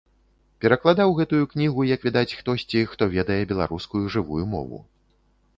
Перакладаў гэтую кнігу, як відаць, хтосьці, хто ведае беларускую жывую мову.